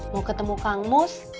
mau ketemu kang mus